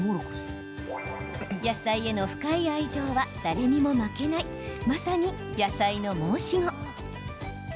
野菜への深い愛情は誰にも負けないまさに野菜の申し子。